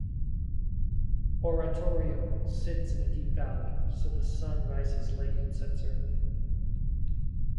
Oratorio sits in a deep valley, so the sun rises late and sets early.